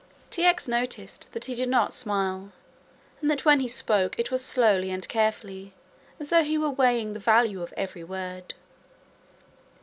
T. X. noticed that he did not smile and that when he spoke it was slowly and carefully, as though he were weighing the value of every word.